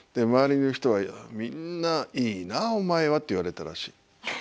周りの人はみんな「いいなお前は」って言われたらしい。